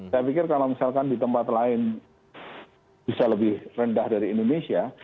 saya pikir kalau misalkan di tempat lain bisa lebih rendah dari indonesia